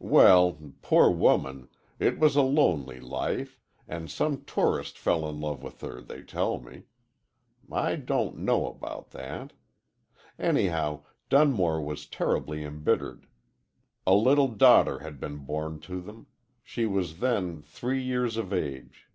Well poor woman! it was a lonely life, and some tourist fell in love with her, they tell me. I don't know about that. Anyhow, Dunmore was terribly embittered. A little daughter had been born to them. She was then three years of age."